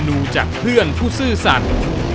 ดูจากเพื่อนผู้ซื่อสัตว์